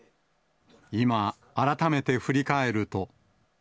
今、改めて振り返ると。